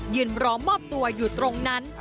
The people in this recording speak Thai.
รอมอบตัวอยู่ตรงนั้น